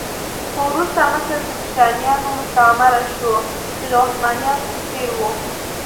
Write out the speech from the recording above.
خو وروسته مصر د برېټانویانو مستعمره شو چې د عثمانيانو په څېر و.